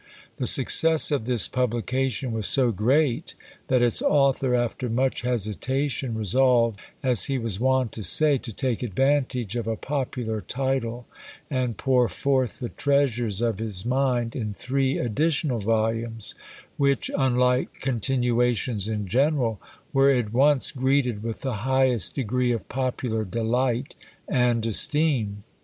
The success of this publication was so great, that its author, after much hesitation, resolved, as he was wont to say, to take advantage of a popular title, and pour forth the treasures of his mind in three additional volumes, which, unlike continuations in general, were at once greeted with the highest degree of popular delight and esteem.